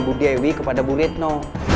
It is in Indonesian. bu dewi kepada bu retno